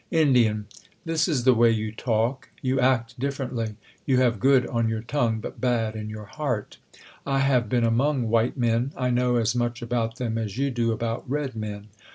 Ind. This is the way you talk ; you act differently. You have good on your tongue, but bad in your heart. Y 2 I have 270 TJIE COLUMBIAN ORATOR. 1 have been among White Men. I know as much about them as you do about Red Men.